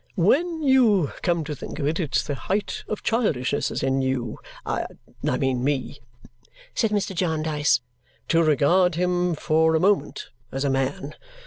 "When you come to think of it, it's the height of childishness in you I mean me " said Mr. Jarndyce, "to regard him for a moment as a man.